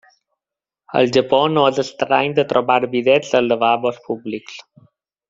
Al Japó no és estrany de trobar bidets als lavabos públics.